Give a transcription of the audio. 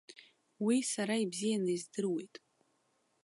Уи сара ибзианы издыруеит.